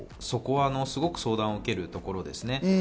そこはすごく相談を受けるところです。